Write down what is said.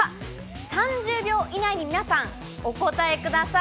３０秒以内に皆さん、お答えください。